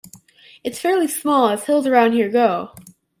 It's fairly small as hills around here go.